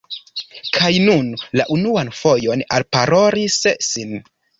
Kaj nun la unuan fojon alparolis ŝin.